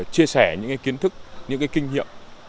chia sẻ những kiến thức những kinh nghiệm